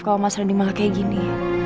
kalau mas reni malah kayak gini